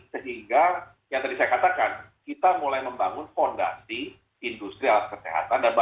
sehingga yang tadi saya katakan kita mulai membangun fondasi industri alat kesehatan dan bahan baku obat